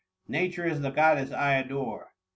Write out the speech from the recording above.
Nature is the goddess I adore